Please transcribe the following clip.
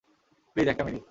Please, একটা minute.